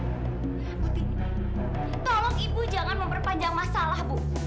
ibu tolong ibu jangan memperpanjang masalah bu